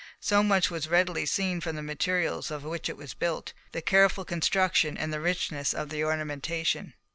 So much was readily seen from the materials of which it was built, the careful construction, and the richness of the ornamentation.